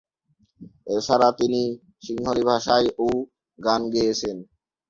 এছাড়া তিনি সিংহলি ভাষায়ও গান গেয়েছেন।